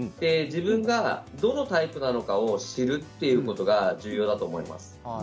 自分がどのタイプなのかを知るということが重要だと思います。